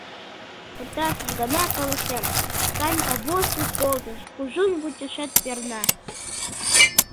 — Пытартыш гана каласем, — Санька воштыл колтыш: — кужун вучашет перна...